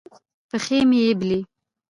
پښې مې یبلي